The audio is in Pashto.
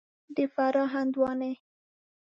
د فراه هندوانې